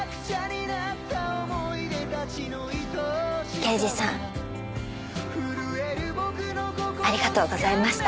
刑事さんありがとうございました。